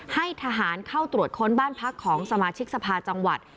ให้ทหารเข้าตรวจค้นบ้านพักของสมาชิกสภาจังหวัด